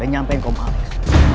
dan nyampein komalis